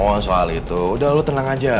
mohon soal itu udah lo tenang aja